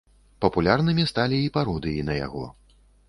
Папулярнымі сталі і пародыі на яго.